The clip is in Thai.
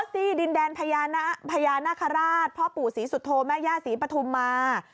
ซี่ดินแดนพญานาคาราชพ่อปู่ศรีสุโธแม่ย่าศรีปฐุมมา